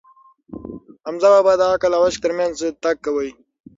حمزه بابا د عقل او عشق ترمنځ تګ کاوه.